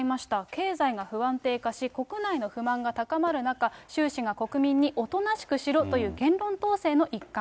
経済が不安定化し、国内の不満が高まる中、習氏が国民におとなしくしろという言論統制の一貫。